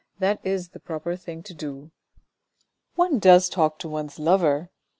That is the proper thing to do. One does talk to one's lover.